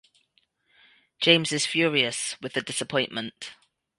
James is furious with the disappointment.